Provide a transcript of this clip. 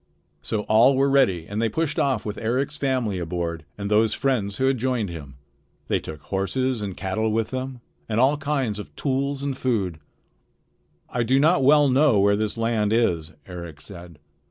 So all were ready and they pushed off with Eric's family aboard and those friends who had joined him. They took horses and cattle with them, and all kinds of tools and food. "I do not well know where this land is," Eric said.